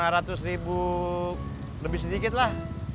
lima ratus ribu lebih sedikit lah